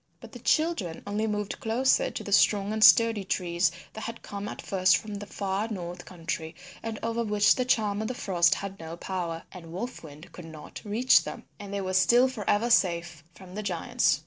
But the children only moved closer to the strong and sturdy trees that had come at first from the far north country and over which the Charm of the Frost had no power, and Wolf Wind could not reach them and they were still for ever safe from the giants.